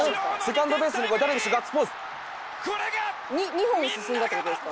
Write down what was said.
「２本進んだって事ですか？」